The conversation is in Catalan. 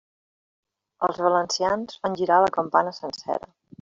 Els valencians fan girar la campana sencera.